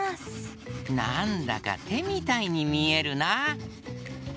なんだかてみたいにみえるな。